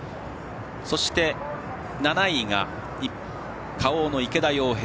そして、７位がＫａｏの池田耀平。